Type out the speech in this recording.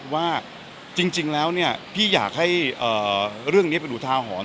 ว่าจริงแล้วพี่อยากให้เรื่องนี้เป็นอุทาหรณ์